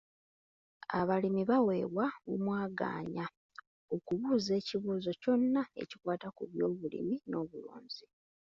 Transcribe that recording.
Abalimi baweebwa omwagaanya okubuuza ekibuuzo kyonna ekikwata ku byobulimi n'obulunzi.